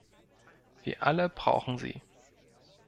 Wir alle brauchen sie.